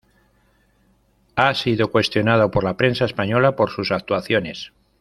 Ha sido cuestionado por la prensa española por sus actuaciones.